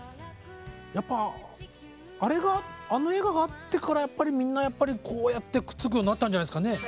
やっぱあの映画があってからやっぱりみんなやっぱりこうやってくっつくようになったんじゃないすかね。